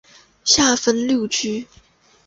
下分六区。